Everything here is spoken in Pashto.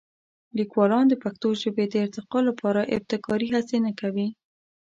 لیکوالان د پښتو ژبې د ارتقا لپاره ابتکاري هڅې نه کوي.